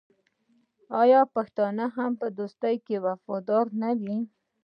آیا پښتون په دوستۍ کې وفادار نه وي؟